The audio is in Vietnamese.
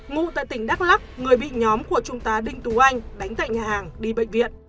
ngụ tại tỉnh đắk lắc người bị nhóm của trung tá đinh tú anh đánh tại nhà hàng đi bệnh viện